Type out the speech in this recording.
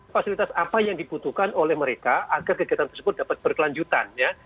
fasilitas apa yang dibutuhkan oleh mereka agar kegiatan tersebut dapat berkelanjutan ya